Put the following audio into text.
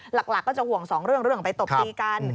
หลักก็จะห่วงสองเรื่องเรื่องไปตบตีกัน